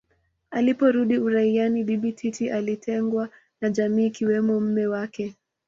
Aliporudi uraiani Bibi Titi alitengwa na jamii ikiwemo mme wake